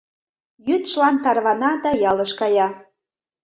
Йӱдшылан тарвана да ялыш кая.